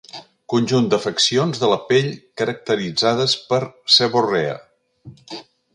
Conjunt d'afeccions de la pell caracteritzades per seborrea.